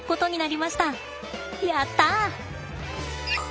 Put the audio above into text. やった！